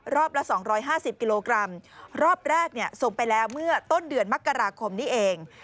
ละ๒๕๐กิโลกรัมรอบแรกส่งไปแล้วเมื่อต้นเดือนมกราคมนี้เอง